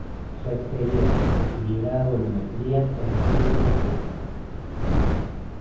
Su exterior, de equilibrada volumetría, trasluce la planta.